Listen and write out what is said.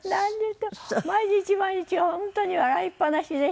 毎日毎日本当に笑いっぱなしでして。